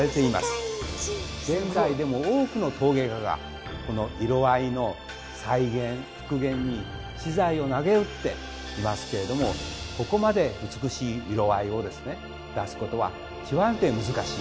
現在でも多くの陶芸家がこの色合いの再現復元に私財をなげうっていますけれどもここまで美しい色合いを出すことは極めて難しい。